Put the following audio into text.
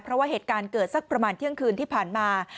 เพราะว่าเหตุการณ์เกิดสักประมาณเที่ยงคืนที่ผ่านมา